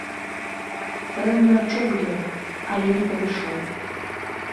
Пэўна, чуў ён, але не падышоў.